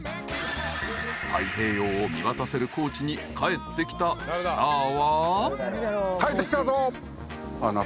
［太平洋を見渡せる高知に帰ってきたスターは］